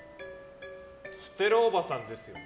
ステラおばさんですよね！